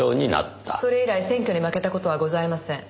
それ以来選挙に負けた事はございません。